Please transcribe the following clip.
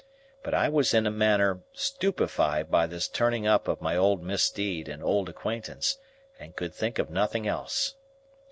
But I was in a manner stupefied by this turning up of my old misdeed and old acquaintance, and could think of nothing else.